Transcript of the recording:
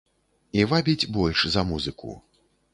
І вабіць больш за музыку.